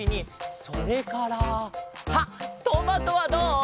それからあっトマトはどう？